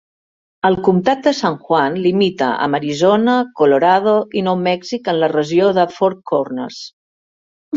El comtat de San Juan limita amb Arizona, Colorado i Nou Mèxic en la regió de Four Corners.